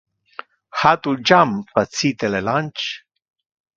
Ha tu jam facite le lunch?